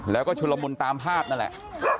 แล้วก็ชุลมุนตามภาพนั่นแหละ